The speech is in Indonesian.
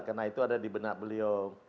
karena itu ada di benak beliau